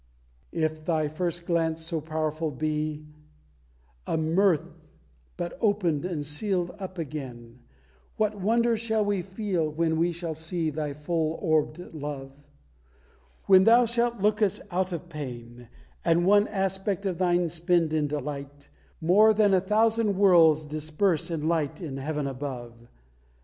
If Thy first glance so powerful be A mirth but opened and sealed up again, What wonders shall we feel when we shall see Thy full orbed love! When Thou shalt look us out of pain, And one aspect of Thine spend in delight, More than a thousand worlds' disburse in light In heaven above!